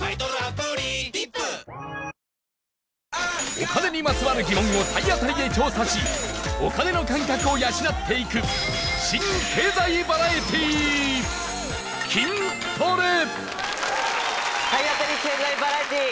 お金にまつわる疑問を体当たりで調査しお金の感覚を養っていく新経済バラエティー体当たり経済バラエティー！